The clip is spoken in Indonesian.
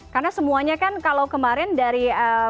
karena semuanya kan kalau kemarin dari